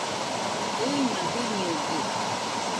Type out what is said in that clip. ɨima jiñɨgɨ